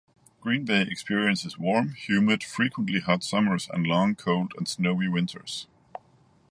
Green Bay experiences warm, humid, frequently hot summers and long, cold and snowy winters.